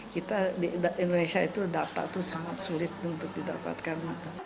kita di indonesia itu data itu sangat sulit untuk didapatkan